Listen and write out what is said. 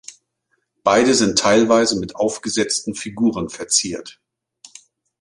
Beide sind teilweise mit aufgesetzten Figuren verziert.